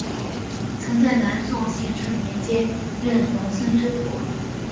曾在南宋咸淳年间任隆兴知府。